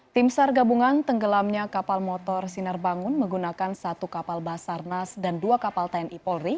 tim sar gabungan tenggelamnya kapal motor sinar bangun menggunakan satu kapal basarnas dan dua kapal tni polri